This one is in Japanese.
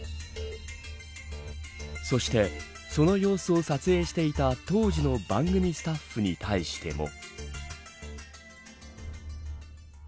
そして、その様子を撮影していた当時の番組スタッフに対しても。